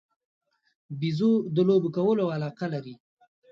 بیزو د لوبو کولو علاقه لري.